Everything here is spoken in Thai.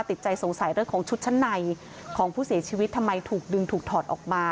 ติดใจสงสัยเรื่องของชุดชั้นในของผู้เสียชีวิตทำไมถูกดึงถูกถอดออกมา